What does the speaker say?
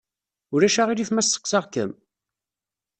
Ulac aɣilif ma sseqsaɣ-kem?